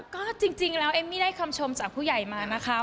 ก็จริงแล้วเอมมี่ได้คำชมจากผู้ใหญ่มานะคะ